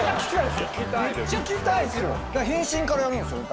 変身からやるんですよね？